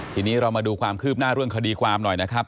ทีนี้เรามาดูความคืบหน้าเรื่องคดีความหน่อยนะครับ